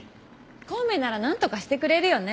孔明なら何とかしてくれるよね